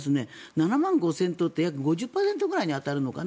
７万５０００棟っておよそ５０％ぐらいに当たるのかな